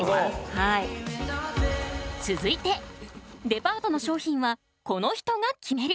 続いてデパートの商品はこの人が決める！